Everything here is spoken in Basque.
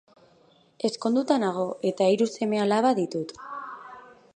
Ezkonduta dago eta hiru seme-alaba ditu.